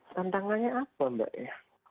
tantangannya apa mbak ya